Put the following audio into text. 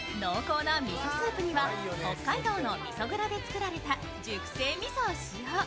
濃厚なみそスープには北海道でみそ蔵で作られた熟成みそを使用。